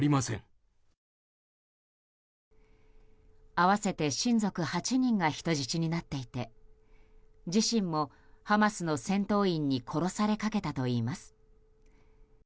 合わせて親族８人が人質になっていて自身もハマスの戦闘員に殺されかけたといいます。